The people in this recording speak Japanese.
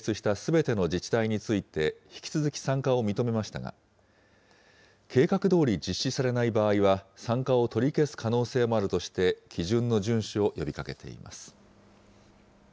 総務省は、計画を提出したすべての自治体について、引き続き参加を認めましたが、計画どおり実施されない場合は、参加を取り消す可能性もあるとして、基準の順守を呼びかけています。